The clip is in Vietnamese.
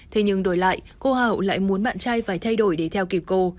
thế nhưng đổi lại cô hậu lại muốn bạn trai phải thay đổi để theo kịp cô